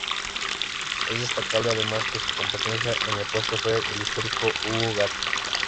Es destacable, además, que su competencia en el puesto fue el histórico Hugo Gatti.